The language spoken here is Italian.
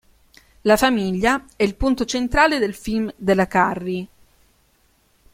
La famiglia è il punto centrale dei film della Carri.